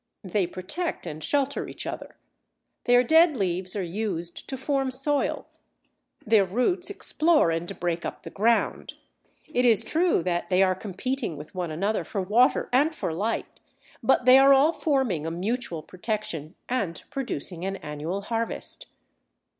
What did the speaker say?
They protect and shelter each other; their dead leaves are used to form soil; their roots explore and break up the ground. It is true that they are competing with one another for water and for light, but they are all forming a mutual protection, and producing an annual harvest.